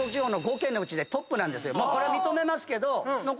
これは認めますけど。